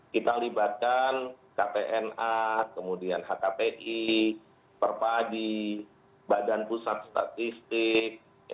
kita libatkan ktna kemudian hkti perpadi badan pusat statistik